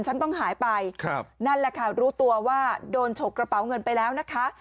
ฉันต้องหายไปครับนั่นแหละค่ะรู้ตัวว่าโดนฉกกระเป๋าเงินไปแล้วนะคะ